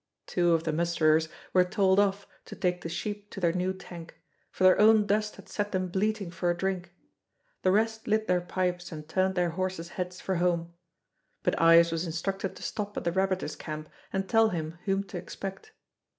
Two of the musterers were told off to take the sheep to their new tank, for their own dust had set them bleating for a drink; the rest lit their pipes and turned their horses' heads for home; but Ives was instructed to stop at the rabbiter's camp and tell him whom to expect.